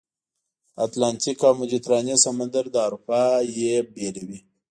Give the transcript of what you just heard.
اتلانتیک او مدیترانې سمندر له اروپا یې بېلوي.